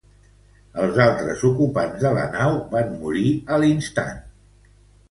Els altres ocupants de la nau van morir a l'instant.